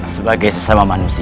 sebagai sesama manusia